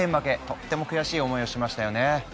とっても悔しい思いをしましたよね。